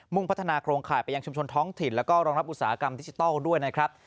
่งพัฒนาโครงข่ายไปยังชุมชนท้องถิ่นแล้วก็รองรับอุตสาหกรรมดิจิทัลด้วยนะครับ